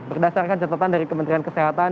berdasarkan catatan dari kementerian kesehatan